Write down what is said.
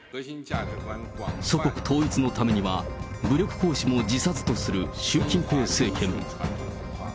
祖国統一のためには、武力行使も辞さずとする習近平政権。